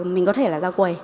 mình có thể là ra quầy